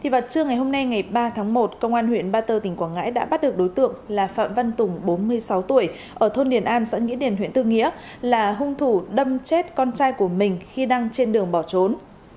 vào trưa ngày hôm nay ngày ba tháng một công an huyện ba tơ tỉnh quảng ngãi đã bắt được đối tượng là phạm văn tùng bốn mươi sáu tuổi ở thôn liền an xã nghĩa điền huyện tư nghĩa là hung thủ đâm chết con trai của mình khi đang trên đường bỏ trốn